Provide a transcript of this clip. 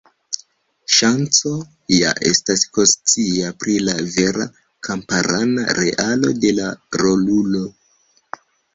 Sanĉo ja estas konscia pri la vera kamparana realo de la rolulo.